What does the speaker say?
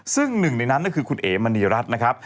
ซึ่งหนึ่งในนั้นก็คือคุณเอ๋มณีรัฐนะครับ